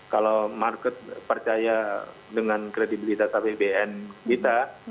kalau market percaya dengan kredibilitas apbn kita